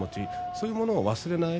そういうものを忘れない